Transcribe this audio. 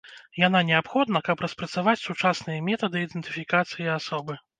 Яна неабходна, каб распрацаваць сучасныя метады ідэнтыфікацыі асобы.